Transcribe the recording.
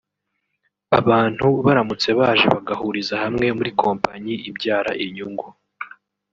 Abantu baramutse baje bagahuriza hamwe muri kompanyi ibyara inyungu